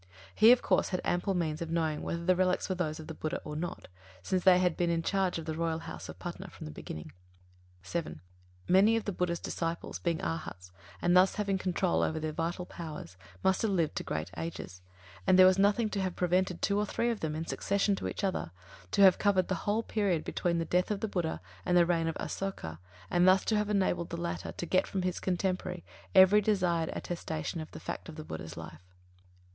He, of course, had ample means of knowing whether the relics were those of the Buddha or not, since they had been in charge of the royal house of Patna from the beginning. (7) Many of the Buddha's disciples, being Arhats and thus having control over their vital powers, must have lived to great ages, and there was nothing to have prevented two or three of them, in succession to each other, to have covered the whole period between the death of the Buddha and the reign of Asoka, and thus to have enabled the latter to get from his contemporary every desired attestation of the fact of the Buddha's life.